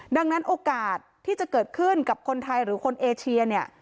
ดังนั้นโอกาสที่จะเกิดขึ้นกับคนไทยหรือคนเอเชียเนี่ย